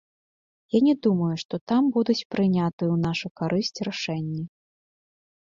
Я не думаю, што там будуць прынятыя ў нашу карысць рашэнні.